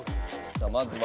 さあまずは。